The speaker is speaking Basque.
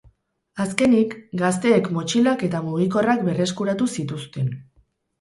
Azkenik, gazteek motxilak eta mugikorrak berreskuratu zituzten.